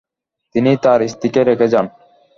তিনি তার স্ত্রীকে রেখে যান।